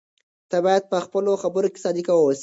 ته باید په خپلو خبرو کې صادق واوسې.